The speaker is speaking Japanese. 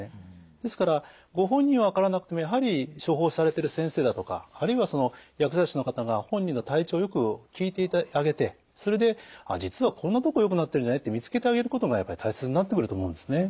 ですからご本人は分からなくてもやはり処方されてる先生だとかあるいは薬剤師の方が本人の体調をよく聞いてあげてそれで「実はこんなとこよくなってるんじゃない？」って見つけてあげることがやっぱり大切になってくると思うんですね。